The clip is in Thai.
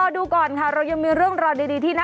ดูก่อนค่ะเรายังมีเรื่องราวดีที่น่า